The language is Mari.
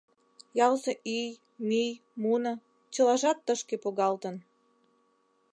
Ялысе ӱй, мӱй, муно — чылажат тышке погалтын.